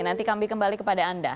nanti kami kembali kepada anda